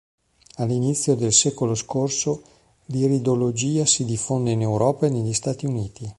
All'inizio del secolo scorso l'iridologia si diffonde in Europa e negli Stati Uniti.